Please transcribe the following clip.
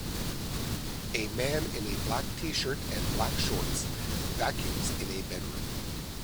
A man in a black tshirt and black shorts vacuums in a bedroom